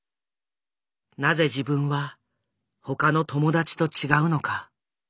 なぜ自分は他の友達と違うのか？